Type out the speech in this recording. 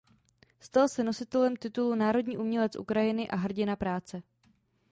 Stal se nositelem titulu Národní umělec Ukrajiny a Hrdina práce.